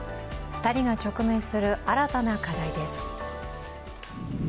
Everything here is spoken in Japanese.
２人が直面する新たな課題です。